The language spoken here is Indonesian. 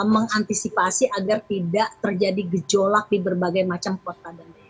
mengantisipasi agar tidak terjadi gejolak di berbagai macam kota